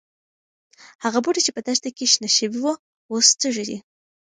هغه بوټي چې په دښته کې شنه شوي وو، اوس تږي دي.